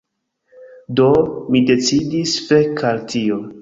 Do, mi decidis fek' al tio